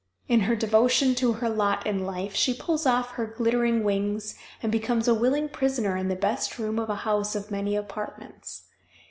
In her devotion to her lot in life she pulls off her glittering wings and becomes a willing prisoner in the best room of a house of many apartments.